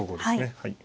はい。